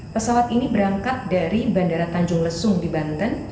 pesawat ini berangkat dari bandara tanjung lesung di banten